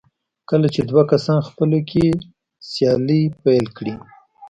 کله چې دوه کسان خپله کې سیالي پيل کړي.